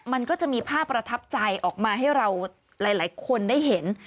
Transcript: มันก็จะมีภาพประทับใจออกมาให้เราหลายคนได้เห็น